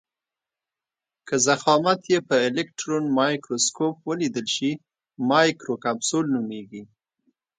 که ضخامت یې په الکټرون مایکروسکوپ ولیدل شي مایکروکپسول نومیږي.